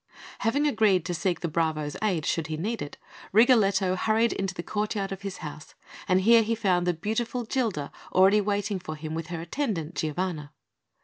Having agreed to seek the bravo's aid, should he need it, Rigoletto hurried into the courtyard of his house; and here he found the beautiful Gilda already waiting for him with her attendant, Giovanna.